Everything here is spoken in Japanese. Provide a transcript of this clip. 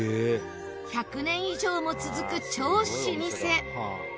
１００年以上も続く超老舗。